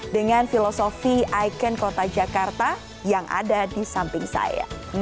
dengan filosofi ikon kota jakarta yang ada di samping saya